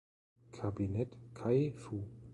Kabinett Kaifu.